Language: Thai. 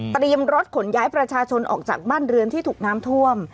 รถขนย้ายประชาชนออกจากบ้านเรือนที่ถูกน้ำท่วม